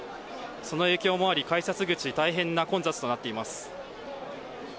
その影響もあり、改札口大変な混雑となっています。